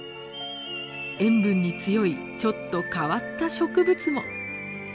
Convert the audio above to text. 塩分に強いちょっと変わった植物も。